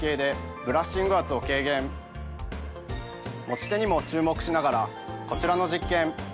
持ち手にも注目しながらこちらの実験。